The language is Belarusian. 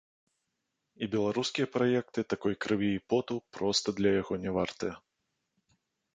І беларускія праекты такой крыві і поту проста для яго не вартыя.